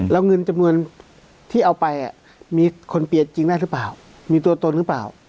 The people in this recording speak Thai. แล้วเงินจำนวนที่เอาไปมีคนเปลี่ยนจริงได้หรือเปล่ามีตัวตนหรือเปล่า